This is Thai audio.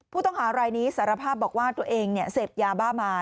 ผู้ต้องหารายนี้สารภาพบอกว่าตัวเองเสพยาบ้ามา